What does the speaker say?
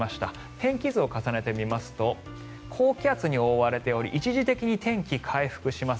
天気図を重ねてみますと高気圧に覆われており一時的に天気、回復します。